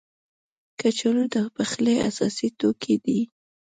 کچالو د پخلي اساسي توکي دي